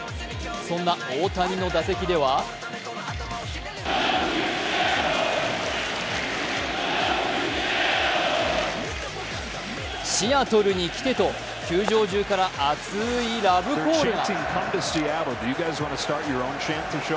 そんな大谷の打席では「シアトルに来て」と球場中から熱いラブコールが。